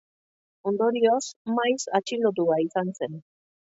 Ondorioz, maiz atxilotua izan zen.